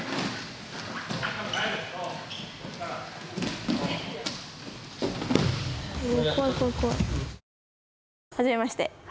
はじめまして。